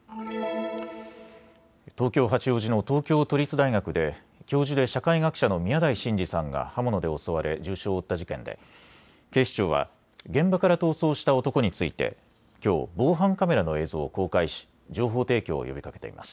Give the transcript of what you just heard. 東京八王子の東京都立大学で教授で社会学者の宮台真司さんが刃物で襲われ重傷を負った事件で警視庁は現場から逃走した男についてきょう防犯カメラの映像を公開し情報提供を呼びかけています。